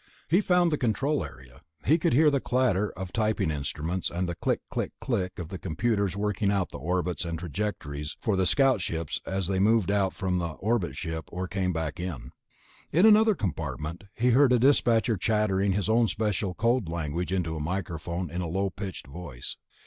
He found the control area. He could hear the clatter of typing instruments, the click click click of the computers working out the orbits and trajectories for the scout ships as they moved out from the orbit ship or came back in. In another compartment he heard a dispatcher chattering his own special code language into a microphone in a low pitched voice.